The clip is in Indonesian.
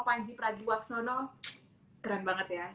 panji pragiwaksono keren banget ya